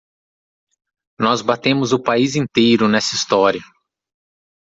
Nós batemos o país inteiro nessa história.